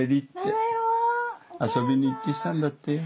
遊びに行ってきたんだってよ。